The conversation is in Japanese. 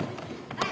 はい！